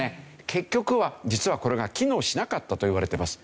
結局は実はこれが機能しなかったといわれてます。